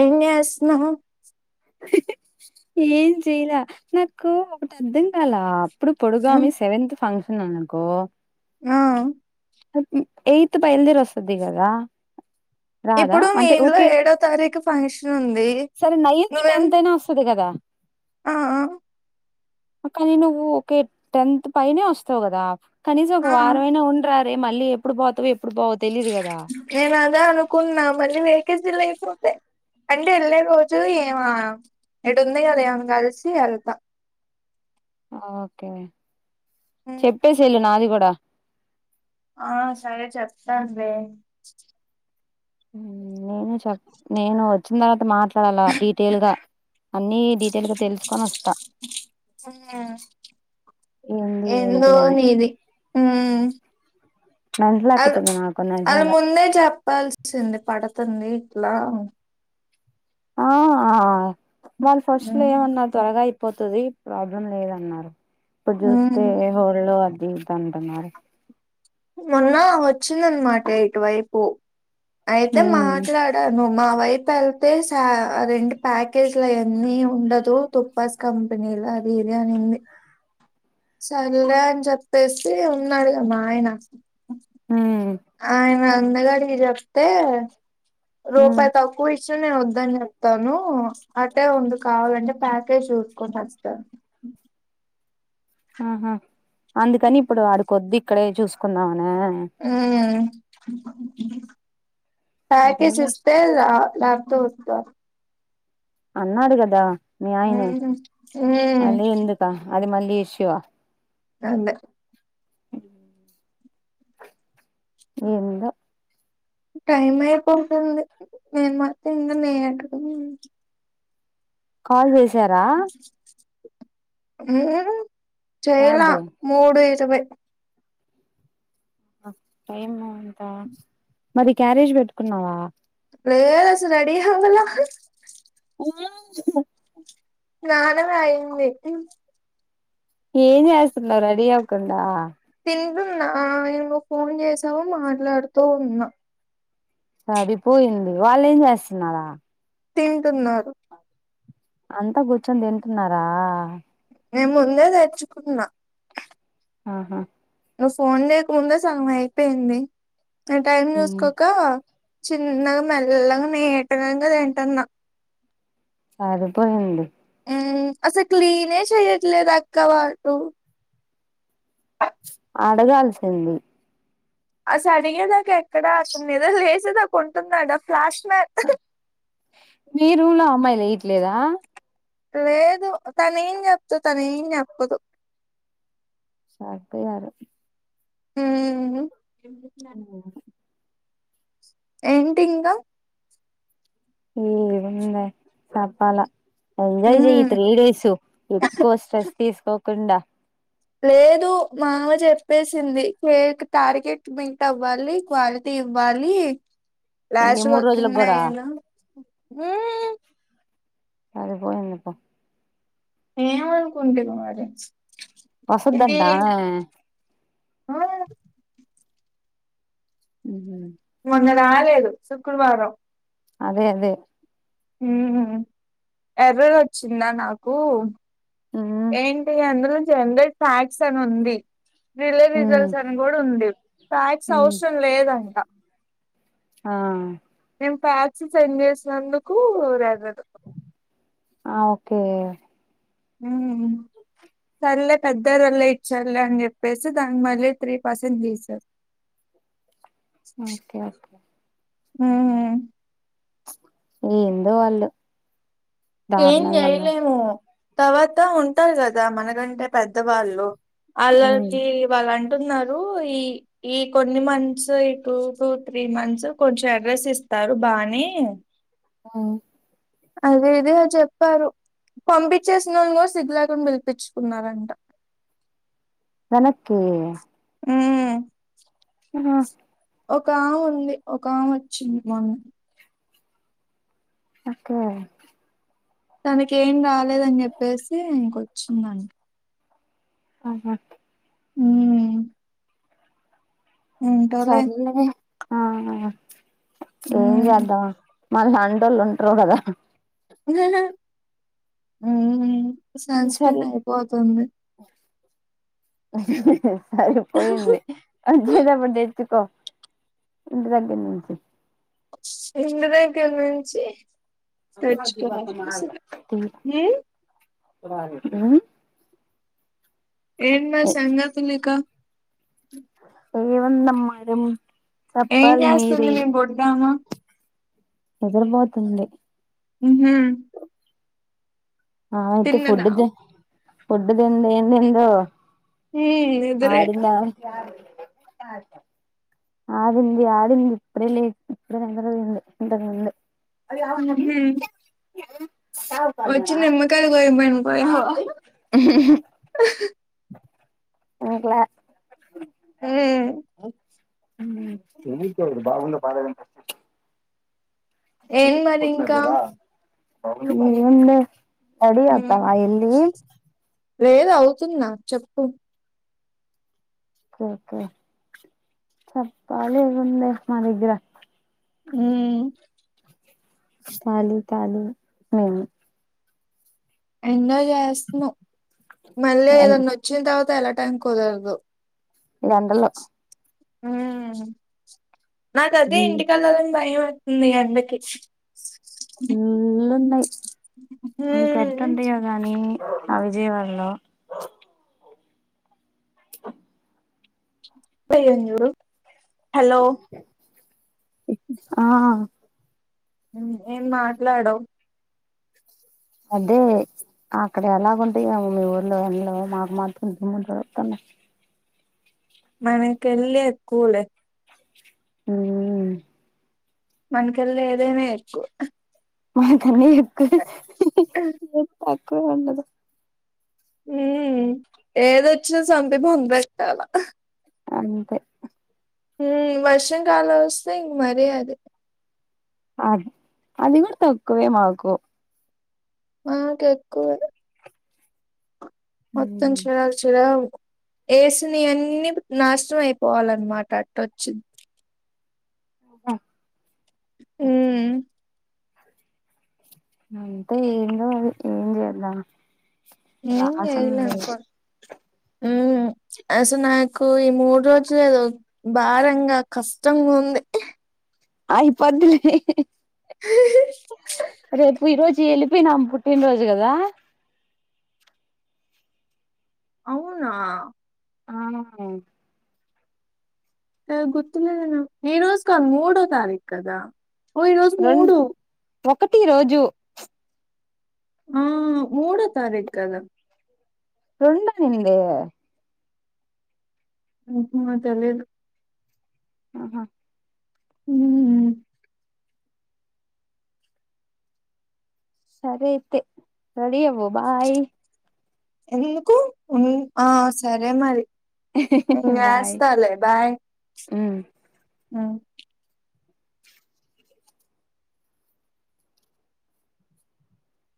ఏం జేస్నావ్ ఏం చెయ్ లా నాకు ఒకటర్ధం గాలా ఇప్పుడు పొడుగామి ఉమ్, సెవెన్త్ ఫంక్షన్ అనుకో ఆ ఎయిత్ బయల్దేర్ వస్సది గద రాదా ఇప్పుడు మీ అంటే ఇంట్లో ఓకే ఏడో తారీఖు ఫంక్షన్ ఉంది సరే నైన్త్ నువ్వేం టెన్త్ అయినా వస్తుది గదా ఆ కానీ నువ్వు ఒకే టెన్త్ పైనే వస్తావు గదా కనీసం ఒక ఆ వారవైనా ఉండరా రే మళ్ళీ ఎప్పుడు బోతవ్ నేనా అదే అనుకునా మళ్ళీ వ్యాసెన్సి అంటే వెళ్ళే రోజు ఏం ఏటు ఉంది కదా అమని కలిసి వెళ్తా ఓకే ఉమ్, చెప్పేసేళు నాది కూడా ఆ సరే చెప్తంవే నేను చెప్ప నేను వచ్చిన తర్వాత మాట్ ఇడ అలా డీటెయిల్ గా అన్ని డీటెయిల్ గా తెలుసుకొని వస్తా ఉమ్, ఏంది ఏందో ఏంటి అనే నీది ఉమ్, అది నాకు అది నిజంగా ముందే చెప్పాల్సింది పడుతుంది ఇట్లా ఆ వాళ్ళు ఫస్ట్ లో ఉమ్, ఏమన్నారు త్వరగా పోతుంది ప్రాబ్లం లేదన్నారు ఇప్పుడు ఉమ్. చూస్తే హోల్డ్స్ ఈ దండ మరి మొన్న వచ్చిందన్నమాట ఇటువైపు అయితే ఉమ్ మాట్లాడ ను మా వైపు వెళ్తే రెండు ప్యాకేజీలవన్నీ ఉండదు తుపాస్ కంపెనీలా అది ఏది అనింది సరే అని చెప్పేసి ఉన్నాడుగా మా ఆయన ఉమ్ ఆయన అందగడి చెప్తే ఉమ్ రూపాయి తక్కువ ఇష్టిన నేను వద్దని చెప్తాను అంటే ఉందు కావాలంటే ప్యాకే చూసుకు వస్త ఆహా అందుకని ఇప్పుడు ఆడికొద్ది ఇక్కడే చూసుకుందాంని ఉ ప్యాక్ సరేలే ఇస్తే లాభతో వతో అన్నాడు కదా మీ ఆయనే ఉమ్. ఉమ్. మళ్ళీ ఎందుక అది మళ్ళీ ఇష్యువా అంత ఉ ఏందొ టైం అయిపోతుంది నేను మత్రం ఇంకా నే అ కాల్ చేసారా చేయలా క్యాబ్ మూడు ఇరవై టైమ్ ఎంత మరి క్యారేజీ పెట్టుకున్నావా లేదు అసల్ రెడీ అవాలే ఆ నాన రాయిటి ఏం చేస్తునావ్ రెడి అవకుండా నాను ఫోన్ చేసాము మాట్లాడుతూ ఉన్నా సరిపోయింది వాళ్ళు ఏం చేస్తున్నారా తింటున్నారు అంతా కూర్చొని తింటున్నారా నే ముందే తెచ్చుకున్నా ఆహా నువ్వు ఫోన్ లేకముడా సగం అయిపోయింది న టైం ఉమ్ చూసుకోక చిన్నగా మెల్లగా నేటం కద ఏంటన్న సరిపోయింది అసలు క్లీనే చెయ్యట్లేదు అక్క వాల్లు అడగాల్సింది అస అడిగేదాకా ఎక్కడ అతని మీద లేసేదా కొంటున్నాడా ఫ్లాష్ మీ రూంలో అమ్మాయిలు మ్యాన్ వేయట్లేదా లేదు తను ఏం [unintelligible] తను ఏం చెప్పదు సరిపోయారు హు ఏంటి ఇంగ ఏముంది చెప్పాల ఎంజాయ్ చెయ్య హ్మ్ త్రీ డేస్ ఎక్కువ స్ట్రెస్ తీసుకోకుండ లేదు మ అమ్మ చెప్పేసింది [unintelligible] టార్గెట్ మీట్ అవ్వాలి క్వా ఇవ్వాలి ఏంది లాస్ట్ మూడు వర్కింగ్ రోజులకు డే కూడా అయిన సరిపోయింది పొ ఏం అనుకుంటునవ్ మరి ఇది వసద్దంట ఆమె ఉ మొన్న రాలేదు శుక్రవారం అదే అదే ఏరర్ వచ్చిందా నాకు ఉమ్ ఏంటి అందులో జనరెట్ ఫ్యాక్స్ట్ అని ఉంది రిలే ఉమ్ రిజల్ట్స్ అని కూడా ఉంది ప్యాక్స్ ఉమ్ అవసరం లేదంట ఆ ప్యాక్స్ [unintelligible] చేసినందుకు [unintelligible] ఆ ఓకే హు సర్లే పెద్ద [unintelligible] అని చెప్పేసి దానికి మళ్ళీ త్రీ పర్సెంట్ తీసారు ఓకే ఓకే హు ఏందో వాళ్ళు ఏం దారుణంగా ఉన్నారు చేయలేము తర్వాత ఉంటారు కదా మనకంటే పెద్దవాళ్ళు ఉమ్ వాళ్ళకి వాళ్ళం అంటున్నారు ఈ ఈ కొన్ని మంత్స్ ఈ టూ టూ త్రీ మంత్స్ కొంచెం అడ్రస్ ఇస్ తారు బానే ఉ అదే [unintelligible] చెప్పారు పంపించేసిన వాళ్ళున్ కూడ సిగ్గు లేకుండా పిలిపించుకున్నారంట వెనకే ఉ ఆ ఒక ఆమ్ ఉంది ఒక ఆమ వచ్చింది మొన్న ఒక్కే తనకి ఏం కలేదని చెప్పేసి ఇంకొచ్చిందండి ఆ హు సర్లే వే అ అ హ ఎం హ్మ్. జేద్దా మ. మన లాటోళ్ళుటుర్రు గదా. లేదా ఉమ్ సంస్క్రీన్ సరే అయిపోతుంది. సరిపోయింది అచేటప్పుడు దే. చ్చకో రెండు గంటల్ నుంచి. ఇంటి దగ్గర నుంచి. తెచ్చుకోవాలి అసలు. హ్మ్. [unintelligible] ఏన్న సంగతులీక. ఎం వందం మడమ్. ఏం చప్పాలి చేస్తుంది మీరి మీ బొడ్డామ? నిద్రబోతుంది. హు హ. ఆ అయితే ఫుడ్ దే ఫుడ్ తింది ఏమైందో. హె నీదిరే. [unintelligible] ఆడింది ఆడింది ఇప్పుడే లేచి ఇప్పుడే నిదర పోయింది ఇంతకు ముందు. అదీ కదా కర్రీ. ఓచ్చి నిమ్మకాలు కోయిమను. ఆ కీ. ఎందుకుల్లే. హ్మ్. హెవికోర్ బాగుందా బాలేదా. మీర్ ఏం ట్రిప్ మరి కొచ్చినారు ఇంకా? గద. ఏందే రడీ అయిఅత్తావా ఏల్లీ. లేద్ అవుతున్న చెప్పు. ఓకే చప్పాలి ఏముందే మ దగ్గర. ఉమ్. స్టాలీ తాలీ మేము. ఎంజాయ్ జేస్తున్నాం మళ్ళీ ఏదన్న ఓచ్చిన్ తర్వాత ఎల్లాటాని కుదరదు యండలో. ఉమ్ నా కదే ఇంటి కెళ్ళాలని భయమ. నీ అన్నకి చ్చు స్. మూల్లున్నాయి మీ హ్మ్. కేట్టుటుయో గానీ. ఆ విజయవాడల్లో. గైనన్ జూడు హలో. ఆ. ఉమ్ ఏం మాట్లాడవ్. అంటే అక్కడ ఎలాగుంటయమో మీ ఊర్లో ఎందులో మాకు మాత్రం దుమ్ములేగుతున్నాయి. మన కెళ్లే కూలే. ఉమ్. మనకెళ్లే ఎదైనా ఎక్కు. మాకన్నీ ఎక్కువే తక్కువ ఉండదు. ఉమ్ ఏదొచ్చినా సతకం బెట్టల. అంతే. ఉమ్ వర్షం కాలం వోస్తే ఇంక మరీ అది. అద్ అది కూడా తక్కువే మాకు మాకు ఎక్కువ మొత్తం హ్మ్ చర చర వేసినవన్నీ నాశనం అయిపోవాలన్నమాట అట్టోచు ఆ మ్ అంతే ఏందో అది ఏం చేద్దాం ఏం లాసం చేయలేం లేదు కో మ్ అసలు నాక్ కు ఈ మూడు రోజులు ఏదో భారంగా కష్టంగా ఉంది అయి పోద్ధిలే రేపు ఈ రోజు వెళ్ళిపోయినామె పుట్టినరోజు కదా అవునా ఆ ఏ గుర్తులేదే నాక్ ఈ రోజుకు మూడో తారీకు కదా ఓ ఈరోజు రెం మూడు ఒకటి ఈ రోజు ఆ మూడో తారీకు కదా రెండు అనిందే మ్ హు తెలిదు ఆహా మ్ సరే అయితే రెడీ అవ్వు బాయ్ ఎందుకు ఉ ఆ సరే మరి నేన్ బాయ్ చేస్తా లే బాయ్ హ్మ్ మ్